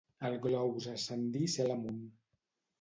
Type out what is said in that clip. El globus ascendí cel amunt.